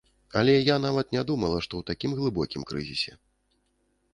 Але я нават не думала, што ў такім глыбокім крызісе.